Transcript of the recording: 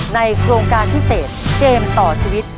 โครงการพิเศษเกมต่อชีวิต